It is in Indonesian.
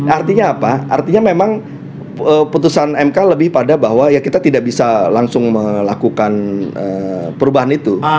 artinya apa artinya memang putusan mk lebih pada bahwa ya kita tidak bisa langsung melakukan perubahan itu